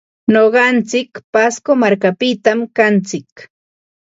Nuqantsik pasco markapitam kantsik.